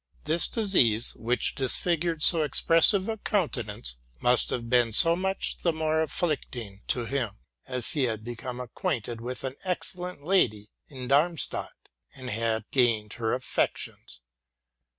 This disease, which disfig ured so expressive a countenance, must have been so much the more afflicting to him, as he had become acquainted with an excellent lady in Darmstadt, and had gained her affections.